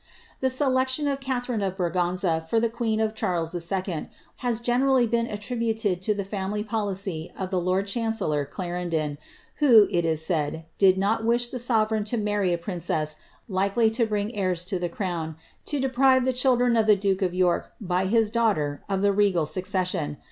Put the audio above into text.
3 selection of Catharine of Braganza for the queen of Charles II. 'nerally been attributed to the family policy of the lord chancellor idon, who, it is said, did not wish the sovereign to marry a ss likely to bring heirs to the crown, to deprive the children of ike of York, by his daughter, of the regal succession.